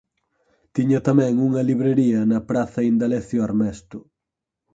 Tiña tamén unha librería na praza Indalecio Armesto.